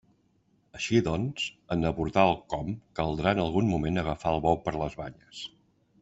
Així doncs, en abordar el «com» caldrà en algun moment agafar el bou per les banyes.